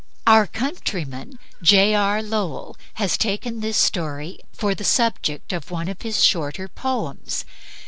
Our countryman, J. R. Lowell, has taken this story for the subject of one of his shorter poems.